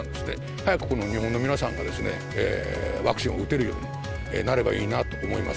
早くこの日本の皆さんがワクチンを打てるようになればいいなと思います。